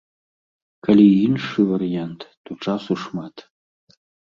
Калі іншы варыянт, то часу шмат.